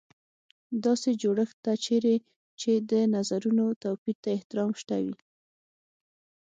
داسې جوړښت ته چېرې چې د نظرونو توپیر ته احترام شته وي.